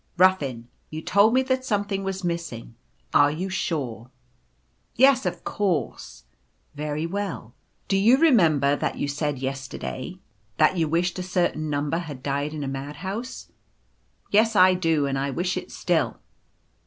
" Ruffin, you told me that something was missing — are you sure ?"" Yes, of course. "" Very well. Do you remember that you said yester day, that you wished a certain Number had died in a mad house ?"" Yes, I do; and I wish it still."